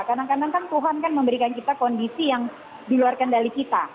kadang kadang kan tuhan kan memberikan kita kondisi yang di luar kendali kita